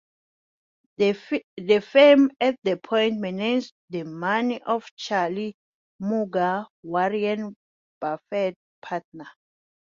The firm at one point managed the money of Charlie Munger, Warren Buffett's partner.